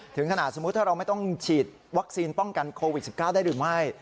ถึงขนาดสมมุติถ้าเราไม่ต้องฉีดวัคซีนป้องกันโควิด๑๙ได้หรือไม่